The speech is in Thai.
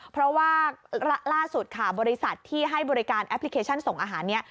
เพราะว่าล่าสุดค่ะบริษัทที่ให้บริการแอปพลิเคชันส่งอาหารนี้